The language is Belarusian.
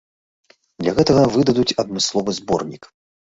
Для гэтага выдадуць адмысловы зборнік.